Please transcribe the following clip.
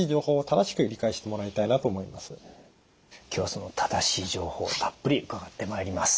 今日はその正しい情報たっぷり伺ってまいります。